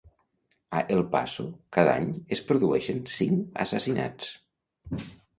A El passo, cada any es produeixen cinc assassinats.